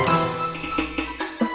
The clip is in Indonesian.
gak usah bayar